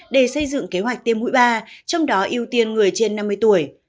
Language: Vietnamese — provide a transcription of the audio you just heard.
để xây dựng kế hoạch tiêm mũi ba trong đó ưu tiên người trên năm mươi tuổi